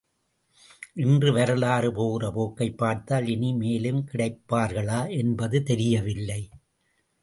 இன்று வரலாறு போகிற போக்கை பார்த்தால் இனி மேலும் கிடைப்பார்களா என்பது தெரியவில்லை.